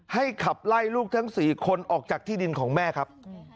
ขับไล่ลูกทั้ง๔คนออกจากที่ดินของแม่ครับ